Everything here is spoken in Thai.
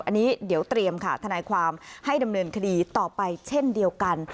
อันนี้เดี๋ยวเตรียมค่ะทนายความให้ดำเนินคดีต่อไปเช่นเดียวกัน